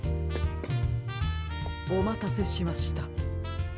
おまたせしました。